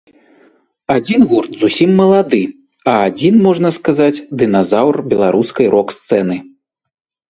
Адзін гурт зусім малады, а адзін, можна сказаць, дыназаўр беларускай рок-сцэны.